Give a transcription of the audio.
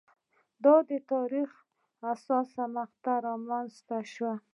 د تاریخ حساسه مقطعه رامنځته شوه.